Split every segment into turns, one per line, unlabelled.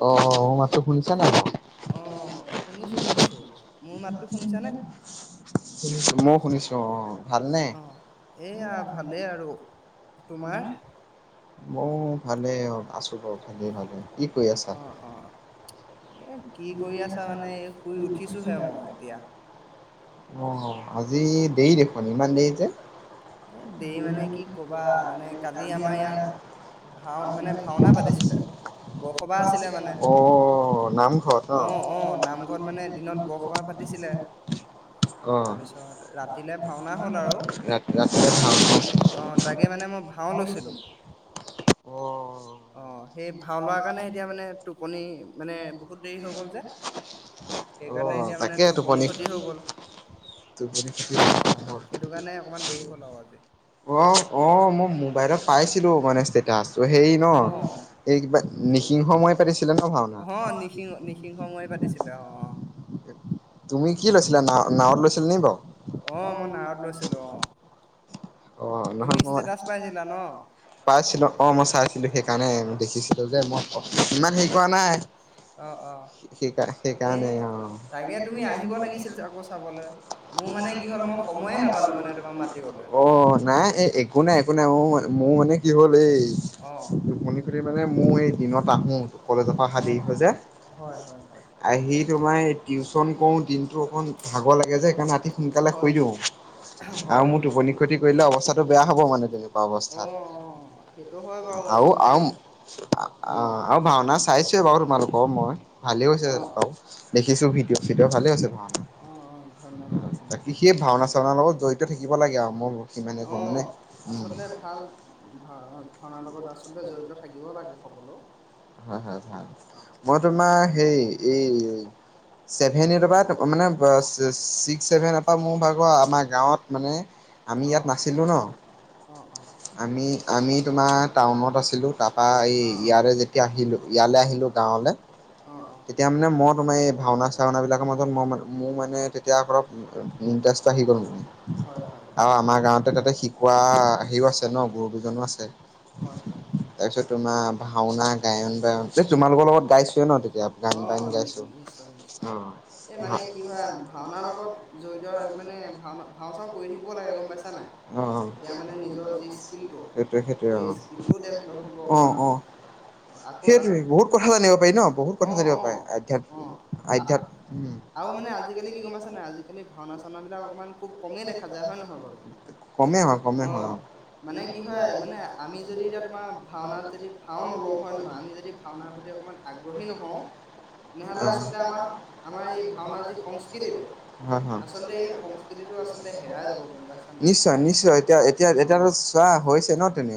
অ মোৰ মাতটো শুনিছা নাই বাৰু?
অ শুনিছো শুনিছো মোৰ মাতটো শুনিছানে
শুনিছো মই শুনিছো অ ভালনে
অ এয়া ভালেই আৰু তোমাৰ
মোৰ ভালে অ আছো বাৰু ভালেই ভালে কি কৰি আছা।
অ অ এ কি কৰি আছা মানে এই শুই উঠিছোহে মই এতিয়া
অ আজি দেৰি দেখুন ইমান দেৰি যে
এ দেৰি মানে কি কবা মানে কালি আমাৰ ইয়াত ভাও মানে ভাওনা পাতিছিলে বৰসবাহ আছিলে মানে
অ নামঘৰত অ
নামঘৰত মানে দিনত বৰসবাহ পাতিছিলে
অ
তাৰপিছত ৰাতিলে ভাওনা হ'ল আৰু
[unintelligible]
অ তাকে মানে মই ভাও লৈছিলোঁ
অ
কাৰণে এতিয়া মানে টোপনি মানে বহুত দেৰি হৈ গ'ল যে
অ
সেইকাৰণে এতিয়া মানে
তাকে টোপনি
ক্ষতি হৈ গ'ল
টোপনি।
অ', অ', সেইটো কাৰণে অকমান দেৰি হ'ল আৰু আজি
অ অ মই মোবাইলত পাইছিলো মানে ষ্টেটাচ সেই ন
অ',
এই কিবা নি সিংহময় পাতিছিলে ন ভাওনা
অ', নিসিং নিসিংহ মোৱাৰি পাতিছিলে অ', অ',
তুমি কি লৈছিলা না নাৱত গৈছিলে নি বা
অ', মই নাৱত লৈছিলো অ',
অ নহয়
তুমি
মই
ষ্টেটাচ পাইছিলা ন
পাইছিলো অ মই চাইছিলো সেইকাৰণে দেখিছো যে মই
অ',
ইমান হেৰি কৰা নাই
অ', অ',
স
এই
সেইকাৰণে
তাকে তুমি আহিব লাগিছিল আকৌ চাবলৈ মোৰ মানে কি হ'ল মই সময়ে নাপালো মানে তোমাক মাতিবলৈ
অ অ নাই এই একো নাই একো নাই ম মোৰ মানে কি হ'ল এই
অ',
টোপনি খতি মোৰ মানে- মই দিনত আহো কলেজৰ পৰা অহা
অ',
দেৰি যে
হয়, হয়, হয়,
আহি তোমাৰ টিউচন কৰো দিনতো অক ভাগৰ লাগে যে সেইকাৰণে ৰাতি সোনকালে
হয়,
শুই দিও
হয়,
আৰু
হয়,
মোৰ
হয়।
টোপনি খটি কৰিলে অৱস্থাটো বেয়া হব মানে তেনেকুৱা অৱস্থাত
অ', অ', সেইটো হয় বাৰু
আৰু
আচলতে
আৰু- অ, আৰু ভাওনা চাইছোৱয়ে বাৰু তোমালোকৰ মই ভালে হৈছে
অ', অ'।
বাৰু দেখিছো ভিডিঅ' চিডিও ভালে হৈছে ভাওনা
অঁ অঁ ধন্যবাদ
বাকি
ধন্যবাদ
সেই ভাওনা চাওনা লগত জড়িত থাকিব লাগে আৰু মোৰ
অ! আচল ভাল ভ ভাওনা লগত। আচলতে জড়িত থাকিবও লাগে।
হয় হয়, ভাল
অঁ
মই তোমাৰ হে এই ছেভেনটৰ পৰা মানে ছিক্স ছেভেন এ পৰা মোৰ ভাগৰ আমাৰ গাঁৱত মানে আমি ইয়াত
অঁ
নাছিলো ন,
অঁ অঁ
আমি আমি তোমাৰ। টাউনত আছিলো তাৰপা।
অঁ
ইয়ালে যেতিয়া আহিলো, ইয়ালৈ আহিলো গাঁৱলে
অঁ অঁ অঁ
তেতিয়া মানে মই তোমাৰ এই ভাওনা চাওনা বিলাকৰ মাজত মই ম মোৰ মানে। মই তেতিয়া অলপ। ইণ্টাৰেষ্ট আহি গ'ল মানে,
হয় হয়
আৰু
হয়
আমাৰ গাঁৱতে তাতে শিকোৱা হেৰিও আছে ন, গুৰুকেইজনো আছে।
হয় হয়
তাৰপিছত তোমাৰ, ভাওনা গায়ন বায়ন তোমালোকৰ লগত গাইছোৱে ন তেতিয়া গান
অঁ
বাইন গাইছো
নিশ্চয়
অ
নিশ্চয় এই
ভ
মানে কি হয় ভাওনাৰ লগত জড়িত মানে ভাওনা ভাও চাও কৰি থাকিব লাগে গম পাইছা নাই
অ,
তেতিয়া মানে নিজৰ যি স্কিলটো
সেইটো।
সেই স্কিলটোও ডেভলপ হ'ব
অ,
অকণমান অঁ আকৌ
সেইটে বহুত কথা জানিব পাৰি ন বহুত কথা
অঁ
জানিব পাৰি
অঁ
আধয়াত
অঁ
আধ্যয়াত উ।
খালি ভাওনা চাওনাাবিললাক অকমান খুব কমেই দেখা যায় হয় নহয় বাৰু?
কমেই হয় কমেই
অ মানে কি হয় মানে আমি যদি এতিয়া তোমাৰ ভাওনাত যদি ভাও
আমি য
নলওঁ
ভ
হয়
লোক আমি য
নহয় যদি ভাওনাৰ প্ৰতি অকমান আগ্ৰহী
ভ
নহওঁ তেনেহলে
আমাৰ
আচলতে আমাৰ এই
ভ
ভাওনাৰ যি
পচ [inaudible]
সংস্কৃতিটো
হয় হয়,
আচলতে এই সংস্কৃতিটো আচলতে হেৰাই যাব গম পাইছা নাই
নিশ্চয় নিশ্চয়, এতিয়া এতিয়া
অ
এতিয়াতো চোৱা হৈছে ন তেনে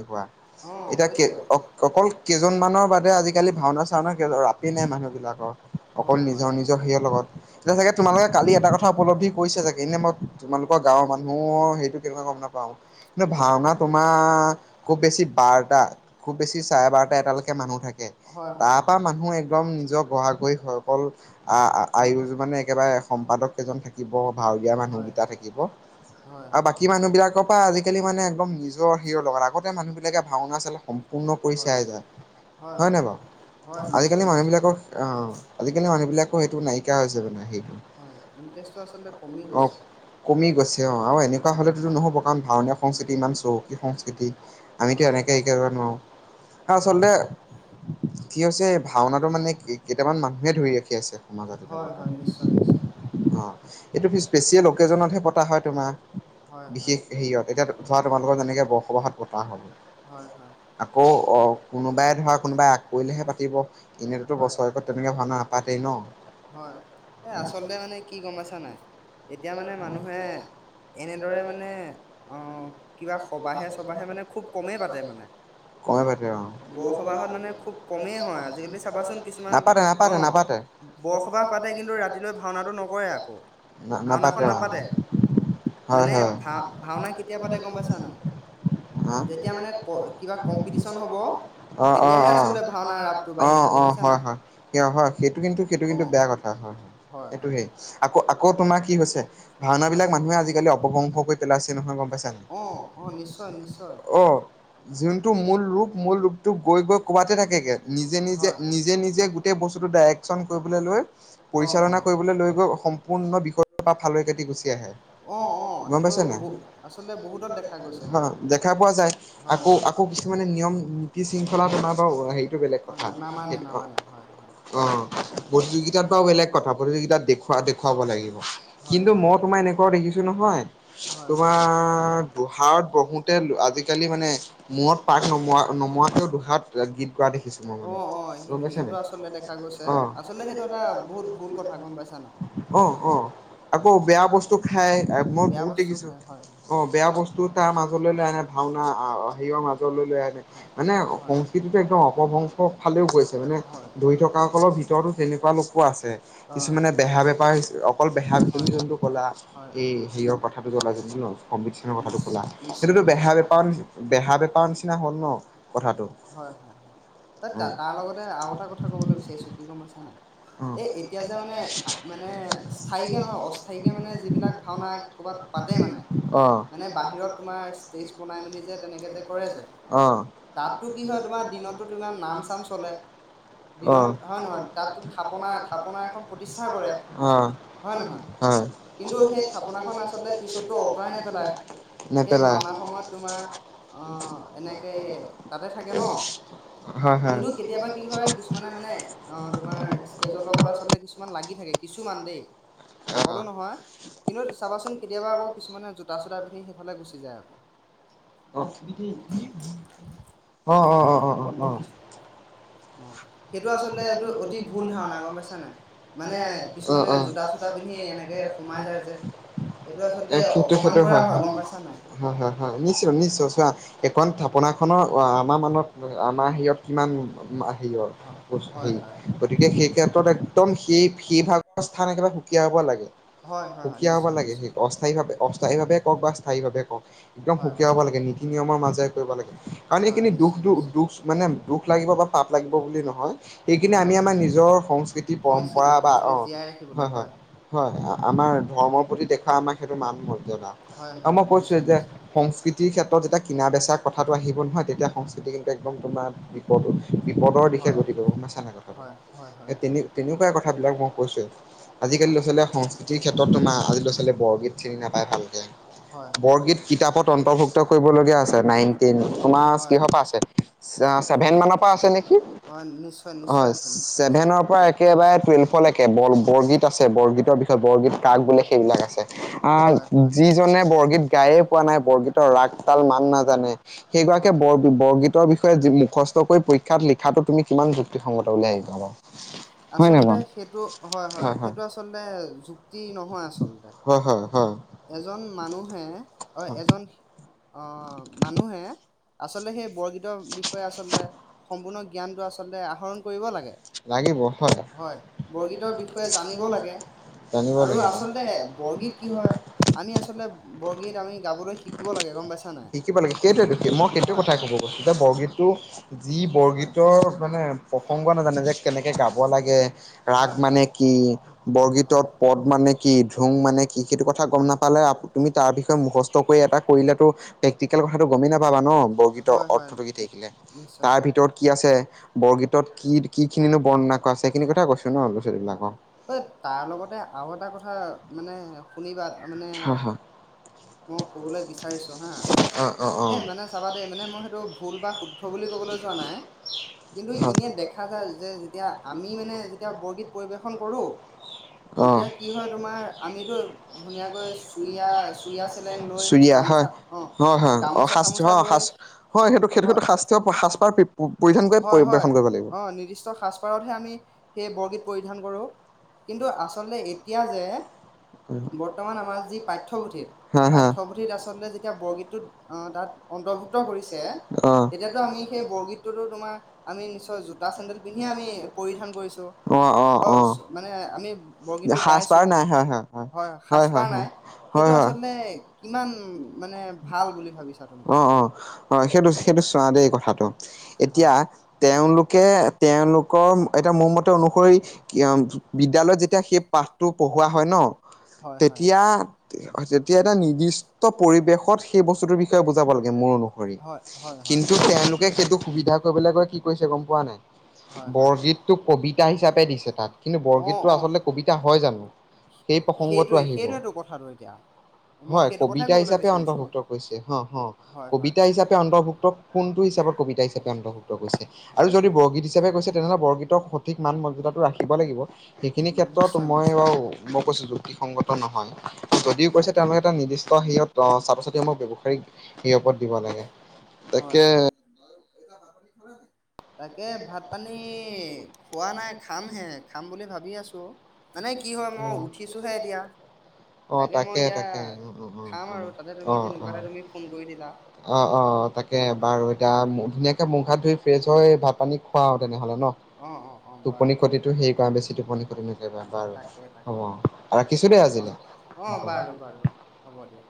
অ
এতিয়া
হৈছে
অ অকল কেইজনমানৰ বাদে আজ কালি ভাওনা চাওনা ৰাতি নাই মানুহ বিলাকৰ অকল
হয় হয়
নিজৰ
হয়
নিজৰ সেইয়া লগত এতিয়া চাগে
হয়
তোমালোকে কালি এটা কথা কথা উপলব্ধি কৰিছে চাগে এনে মই তোমালোকৰ গাঁৱৰ মানুহৰ সেইটো কেনেকুৱা গম নাপাওঁ কিন্তু
হয়
ভাওনা তোমাৰ- খুব বেছি বাৰটা খুব বেছি চাৰে বাৰটা এটালৈকে মানুহ থাকে,
হয় হয়
তাৰ
হয় হয়
পৰা মানুহ একদম নিজৰ গ়াগহি সকল আ
হয়
আয়ু য মানে একেবাৰে সম্পাদক থাকিব ভালকেওঁ দীয়া
হয়
মানুহকেইটা থাকিব
হয় হয় হয়
আৰু বাকী মানুহ বিলাকৰ পৰা আজিকালি মানে একদম নিজৰ হিৰৰ লগত আগত। মানুহবিলাকে ভাওনা চাল সম্পূৰ্ণ
হয়
কৰি
হয়
চাই যায়, হয় নাই বাৰু
হয় নিশ্চয়
আজিকালি
নিশ্চয়
মানুহবিলাকৰ আজিকালি মানুহবিলাকৰ সেইটো নাইকিয়া হৈছে মানে সেই।
হয় ইণ্টাৰেষ্টটো আচলতে কমি
অঁ,
গৈছে
কমি গৈছে অঁ আৰু এনেকুৱা
হয়
হলেতোতো নহ'ব কাৰণ ভানীয় সংস্কৃতি
নহয়
ইমান
নহয়
চহকী সংস্কৃতি। আমিতো
হয় হয়
এনেকে শিক নোৱাৰো, আৰু
হয়
আচলতে কি হৈছে ভাওনাটো মানে কেইটামান মানুহে ধৰি ৰাখি আছে সমাজত।
হয় হয় নিশ্চয় নিশ্চয়
অঁ। এইটো স্পেচিয়েল অ'কেজনতহে পতা হয়, তোমাৰ
হয় হয়
বিশেষ হেৰিয়ত এতিয়া ধৰা, তোমালোকৰ যেনেকৈ বসবাহত পতা।
হয় হয়
আকৌ অঁ, কোনোবাই ধৰা কোনোবাই আগ কৰিলেহে পাতিব এনেততো
হয়
বছৰেকত তেনেকে ভাওঁনা নাপাতি। তেনেকে নহঁ।
হয় এ আচলতে মানে কি গম পাইছা নাই এতিয়া মানে মানুহে এনেদৰে মানে আহ কিবা সবাহে চবাহে মানে খুব কমেই পাতে মানে
[unintelligible] অহ [unintelligible]
বৰসবাহত মানে খুব কমেই হয় আজিকালি চাবাচোন কিছুমান
নাপাতে-
অ
নাপাতে -নাপাতে
বৰসবাহ পাতে কিন্তু ৰাতিলৈ ভাওনাটো নকৰে আকৌ ভাওনাখন নাপাতে
হয়
মানে
হয়
ভা- ভাওঁনা কেতিয়া পাতে গম পাইছা নে নাই।
হা
যেতিয়া মানে ক কিবা কম্পিটিচন হ'ব
[unintelligible]
তেতিয়াহে
অ-অ-অ
আচলতে ভাওনাৰ ৰাপটো বাঢ়ি যায়
-অ-অ
দেখিছা
হয়-
নাই
-হয় সিয় হয় সেইটো কিন্তু সেইটো
অ
কিন্তু বেয়া কথা হয়-হয়
হয়
এইটো
হয়
হেই আকৌ-আকৌ তোমাৰ কি হৈছে ভাওঁনা
হয়
বিলাক মানুহে আজিকালি অপগ্ৰংস কৰি পেলাইছে নহয় গম পাইছা নে নাই অহ
অ অ নিশ্চয়
নিশ্চয়-নিশ্চয়।
নিশ্চয়
অহ যোনটো মূল ৰূপ মূল ৰূপটো গৈ- গৈ ক'বাতে থাকেগে নিজে- নিজে-
হয়
নিজে- নিজে গোটেই বস্তুটো ডাইৰেকচন কৰিবলৈ লৈ
অ অ
পৰিচালনা কৰিবলৈ লৈ গৈ সম্পূৰ্ণ বিষয়ৰ পা ফালৰি কাটি গুচি আহে অহ
অ অ
-অহ গম
সেইটো
পাইছে নাই
ব আচলতে বহুতত দেখা গৈছে সেইটো
[unintelligible] [unintelligible] দেখা পোৱা যায়
হয়
আকৌ-
হয়
আকৌ কিছুমানে নিয়ম নীতি শৃংখলা বনাব সেইটো বেলেগ
অ
কথা
নামানে
সেইটো অহ-
নামানে হয় হয়
অহ। প্ৰতিযোগিতাত বাৰু বেলেগ কথা প্ৰতিযোগিতাত দেখুৱা -দেখুৱাব লাগিব
হয়
কিন্তু
হয়
মই তোমাৰ এনেকুৱা দেখিছো নহয়
হয় হয়
তোমাৰ বহাৰত বহুত [unintelligible] আজিকালি মানে মূৰত পাক নমোৱা -নমোৱাতেও দুহাত গীত গোৱা দেখিছো মই
অ
মানে
অ
গম পাইছা
সেইটো
নাই
আচলতে দেখা গৈছে
অহ। [unintelligible]
আচলতে সেইটো এটা বহুত ভুল কথা গম পাইছা নাই
অহ-অহ
অ
আকৌ বেয়া বস্তু খায় মই
বেয়া
বহুত
বস্তু
দেখিছো
খাই হয় হয়
অহ বেয়া বস্তু
হয়
তাৰ মাজত মাজ লৈ আনে ভাওঁনা আহ হেৰিওৰ মাজলৈ লৈ আনে মানে
হয় হয় হয়
সংস্কৃতিতটো একদম অপভংশ ফালেও গৈছে মানে
হয়
ধৰি থকাসকলৰ ভিতৰত কিয়নো তেনেকুৱা লোকো আছে
অ
কিছুমানে বেহা বেপাৰ অকল বেহা বিপনী
হয়
যোনতো কলা
হয়
এই হেৰিয়ৰ কথাটো জলা কম্লিকেশনৰ কথাটো
নিশ
কলা।
নিশ্চয়
সেইটোতো
নিশ্চয়
বেহা বেপাৰ বেহা বেপাৰ নিচিনা হল ন কথাটো
হয়-হয- হয় তাৰ লগতে আৰু এটা কথা কবলৈ বিচাৰিছো কি গম আছা নাই এই এতিয়া যে মানে মানে স্থায়ি কে নহয় অস্থায়ী কে মানে যিবিলাক ভাওঁনা কৰ'বাত পাতে মানে মানে বাহিৰত তো যে
অহ
তাতো কি হয় তোমাৰ দিনতো তোমাৰ নাম চাম চলে দিনত হয় নহয় তাতো থাপনা থাপনা এখন প্ৰতিষ্ঠা কৰে হয় নহয় কিন্তু সেই থাপনাখন আচলতে পিছতো অঁতৰাই নেপেলাই
অহ
সেই ভাওনা সময়ত তোমাৰ অহ এনেকে তাতে থাকে ন
হয় হয়।
কিন্তু কেতিয়াবা কি হয় কিছুমানে মানে অহ তোমাৰ ষ্টেজৰ লগত আচলতে কিছুমান লাগি থাকে কিছুমান দেই সকলো নহয় কিন্তু চাবাচোন কেতিয়াবা আকৌ কিছুমানে জোতা চোতা পিন্ধি স
[inaudible] অহ [inaudible] অ- অ-অ-অ -অ-অ। এইটো আচলতে অতি ভুল ধাৰণা গম পাইচা নে নাই মানে অ- অ জোতা চুতা পিন্ধি এনেকে সোমাই যায় যে
সেইটো আচলতে
[unintelligible] সেইটো
অপমান
সেইটো
কৰা
হয়-
গম পাইছা নাই
-হয় -হয় নিশ্চয় নিশ্চয় চোৱা, এইখন থাপ থাপনাখনৰ আমাৰ মানত আমাৰ হেৰিয়ত কিমান হেৰিয়ৰ।
হয়
উপস্থি
হয় হয় হয়
গতিকে সেই ক্ষেত্ৰত একদম সেই-সেই ভাগ স্থান একেবাৰে সুকীয়া হ'ব লাগে
হয়
অহ
হয়
সুকীয়া হ'ব
নিশ্চয়
লাগে সে
নিশ্চয়
অস্থায়ীভাৱে- অস্থায়ীভাৱে কওক বা স্থায়ী ভাবে কক। একদম
হয়
সুকীয়া
হয়
হ'ব লাগে নীতি নিয়মৰ মাজেৰে কৰিব লাগে কাৰণ
হয়
এইখিনি
নিশ্চয়
দুখ- দুখ-
নিশ্চয়
দুচ মানে দুখ লাগিব বা পাপ লাগিব বুলি নহয় হয় সেইখিনিয়ে
হয়
আমি আমাৰ
হয়
নিজৰ সংস্কৃতি
সংস্কৃতি
পৰম্পৰা বা অ
সংস্কৃতি জীয়াই ৰাখিবলৈ
হয় হয় হয় আমাৰ ধৰ্মৰ প্ৰতি দেখা আমাৰ সেইটো মান মৰ্য্যদা
হয়
আৰু
হয়
মই কৈছোৱে
নিশ্চয়
যে
নিশ্চয়
সংস্কৃতিৰ ক্ষেত্ৰত যেতিয়া কিনা বেচাৰ কথাটো আহিব নহয় তেতিয়া সংস্কৃতি কিন্তু একদম, বিপদো বিপদৰ দিশ কে
হয়
গতিব নাছানে কথাটো
হয় হয় হয় হয়
তেনে তেনেকুৱাই কথাবিলাক মই কৈছোৱেই আজিকালি
হয়
ল'ৰা ছোৱালীয়ে সংস্কৃতিৰ ক্ষেত্ৰত তোমাৰ আজি ল'ৰা ছোৱালীয়ে বৰগীত চিনি নাপাই ভালকে
হয় হয়
বৰগীত কিতাপত অন্তৰ্ভুক্ত কৰিবলগীয়া আছে নাইন টেন তোমাৰ
হয়
কিহৰ পৰা আছে ছেভেন মানৰ পৰা আছে নেকি?
হয় নিশ্চয় নিশ্চয়
হয়
আছে
চে
নিশ্চয় আছে
ছেভেনৰ পৰা একেবাৰে টুৱেলভলৈ একে বল আছে বৰগীতৰ বিষয়ে বৰগীত কাক বোলে সেইবিলাক আছে আহ
হয় হয়
যিজনে বৰগীত গায়ে পোৱা নাই বৰগীতৰ ৰাগ তাল মান নাজানে সেই গৰাকীয়ে
হয়
বৰ বৰগীতৰ বিষয়ে যি মুখস্থ কৰি পৰীক্ষাত লিখি শিক্ষাটো তুমি কিমান যুক্তিসংগত বুলি আহিছা বাৰু হয় নে
আচলতে
বাৰু
সেইটো হয় হয় সেইটো আচলতে যুক্তি নহয় আ
হয় হয়। হয়।
এজন মানুহে অ এজন অ মানুহে, আচলতে সেই বৰগীতৰ বিষয়ে আচলতে সম্পূৰ্ণ জ্ঞানটো আচলতে আহৰণ কৰিব লাগে।
লাগিব হয়
বৰগীতৰ বিষয়ে জানিব লাগে
জানিব
আৰু
লাগিব।
আচলতে বৰগীত কি হয় আমি আচলতে বৰগীত আমি গাবলৈ শিকিব লাগে গম পাইছা নাই
শিকিব লাগে সেইটোৱে টো মই সেইটো
হয়
কথাই কব
হয়
গৈছো যে বৰগীতটো যি
হয়
বৰগীতৰ মানে প্ৰসংগ নাজানে যে কেনেকে গাব লাগে ৰাগ
হয়
মানে
হয়
কি বৰগীতত
হয়
পদ মানে কি ধুং মানে কি সেইটো কথা গম নাপালে তুমি তাৰ বিষয়ে মুখস্থ কৰি এটা কৰিলোতো প্ৰেক্টিকেল কথাটো গমেই নাপাবা ন বৰগীতৰ
হয় হয়
অৰ্থটো গ থাকিলে
নিশ্চয় নিশ্চয়
তাৰ ভিতৰ কি আছে বৰগীতত কি? খিনিনো বৰ্ণনা কৰা আছে সেইখিনি কথা কৈছো ন ল'ৰা ছোৱালীবিলাকক
হয় হয় এই তাৰ লগতে আৰু এটা কথা মানে শুনিবা মানে
হয়
মই কবলৈ বিচাৰিছো হা
অ
এ মানে চাবা দেই মানে মই সেইটো ভুল বা শুদ্ধ বুলি কবলৈ যোৱা নাই কিন্তু এনে দেখা, যায় যে যেতিয়া
অ
আমি মানে যেতিয়া বৰগীত
চুৰিয়া
পৰিৱেশন কৰো
হয়
তেতিয়া কি
হয়
হয় তোমাৰ আমিতো
অ
ধুনীয়াকৈ
শাস্ত
চুৰিয়া চুৰিয়া চেলেং
হয়
লৈ গামোচা অ
সেইটো
গামোচা
সেইটো
চামোচা লৈ
সেইটো
হয়
শাস্ত পুৰা পৰিধান কৰি
হয় হয়
পৰিবেশন কৰিব লাগিব। সাজপাৰতহে আমি সেই বৰগীত পৰিধান কৰোঁ কিন্তু আচলতে এতিয়া যে হম বৰ্তমান আমাৰ যি পাঠ্যপুথিত হা হা পাঠ্যপুথিত আচলতে যেতিয়া বৰগীতটোত তাত অন্তৰ্ভুক্ত কৰিছে অ তেতিয়াতো আমি,
বৰগীতটো তোমাৰ, আমি নিশ্চয় চেন্দেল
পিন্ধি
পিন্ধিয়ে
আমি পৰিধান কৰিছোঁ,
কৰিছো।
অ অ অ, মানে আমি বৰগীতটো গাইছোঁ সাজপাৰ নাই, অ অ হয়
সাজপাৰ নাই।
হয় হয়,
সেইটো
আচলতে কিমান মানে
কিমান
ভাল বুলি
মানে
ভাবিছা
ভাল
অ
বুলি
অ
ভাবিছা তুমি?
অ অ সেইটো সেইটো চোৱা দেই কথাটো। এতিয়া,
হয়
তেওঁলোক কে তেওঁলোকৰ এটা মোৰ মতে অনুসৰি অ বিদ্যালয়ত যেতিয়া সেই পাঠটো পঢ়োৱা হয় ন,
হয় হয়
তেতিয়া তেতিয়া এটা নিৰ্দিষ্ট পৰিৱেশত সেই বস্তুটোৰ বিষয়ে বুজাব লাগে মোৰ অনুসৰি,
হয় হয় হয়
কিন্তু
হয়
তেওঁলোকে সেইটো সুবিধা কৰিবলৈ কৈ কি কৰিছে গম গম পোৱা নাই,
হয় হয়
বৰগীতটোক কবিতা হিচাপে দিছে। কিন্তু
অ
বৰগীতটো
অ
আচলতে কবিতা হয় জানো, সেই প্ৰসংগটো
সেইটোৱে
আহিব,
সেইটোৱেটো কথাটো এতিয়া মই
হয়
সেইটো কথাই
কবিতা
ক'বলৈ
হিচাপে
বিচাৰিছো
অন্তৰ্ভুক্ত কৰিছে হ
হয় হয়
কবিতা হিচাপে অন্তৰ্ভুক্ত কোনটো হিচাপত কবিতা হিচাপে অন্তৰ্ভুক্ত কৰিছে। আৰু
হয়
যদি
হয়
বৰগীত হিচাপে কৈছে তেনেহলে বৰগীতক সঠিক মান ৰাখিব লাগিব সেইখিনি ক্ষেত্ৰত
নিশ্চয়
মই,
নিশ্চয়
বাৰু মই কৈছো যুক্তিসংগত নহয়। যদিও
হয়
কৈছে তেওঁলোকে এটা নিৰ্দিষ্ট হেত, ছাত্ৰ ছাত্ৰীসমূক ব্যৱসায়িক শপত দিব লাগে তাকে
আৰু এতিয়া ভাত পানী খালা নে? তাকে ভাত পানী খোৱা নাই, খামহে খাম বুলি ভাবি আছো। ত' মানে কি হয়, মই উঠিছোহে এতিয়া।
অ
মই
তাকে
এতিয়া
তাকে,
খাম আৰু তাতে
অ অ,
তুমি
অ অ
তেনেকুৱাতে তুমি ফোন কৰি দিলা
অ অ অ তাকে বাৰু এতিয়া
হয়
ধুনীয়াকে মুখ হাত ধুই ফ্ৰেছ হৈ ভাত পানী খুৱাও তেনেহলে ন,
অ অ অ
টোপনি
বাৰু বাৰু
ক্ষতিটো হেৰি কৰা বেছি টোপনি ক্ষতি ন
তাক
বাৰু
তাকে তাকে
হ'ব ৰাখিছোঁ দেই
অ
আজিলৈ।
অ বাৰু বাৰু হ'ব দিয়া।